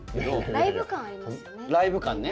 ライブ感ありますよね。